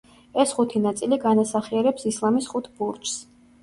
ეს ხუთი ნაწილი განასახიერებს ისლამის ხუთ ბურჯს.